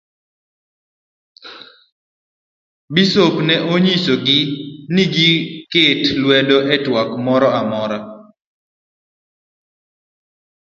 bisop ne onyiso gi ni giket lwedo e twak moro amora.